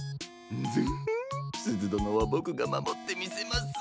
ンヅフッすずどのはボクがまもってみせます。